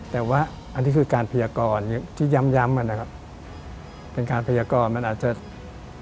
แต่ว่าอันนี้คือการพยากรที่ย้ำย้ำนะครับเป็นการพยากรมันอาจจะ